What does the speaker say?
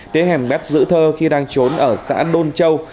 tế hẻm mép dữ thơ khi đang trốn ở xã đôn châu